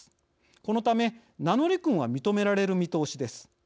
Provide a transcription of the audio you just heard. このため、名乗り訓は認められる見通しです。